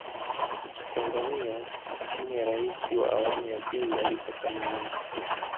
Tanzania chini ya Rais wa awamu ya pili Ali Hassan Mwinyi